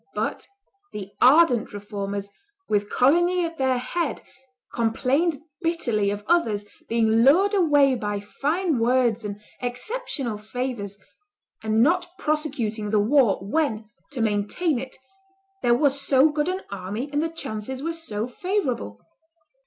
But the ardent Reformers, with Coligny at their head, complained bitterly of others being lured away by fine words and exceptional favors, and not prosecuting the war when, to maintain it, there was so good an army and the chances were so favorable.